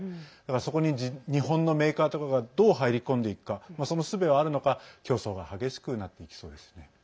そこに日本のメーカーとかがどう入り込んでいくのかそのすべはあるのか競争が激しくなっていきそうです。